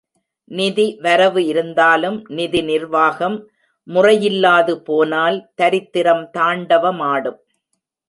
நிதி வரவு இருந்தாலும் நிதி நிர்வாகம் முறையில்லாதுபோனால் தரித்திரம் தாண்டவமாடும்.